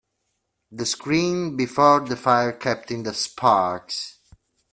The screen before the fire kept in the sparks.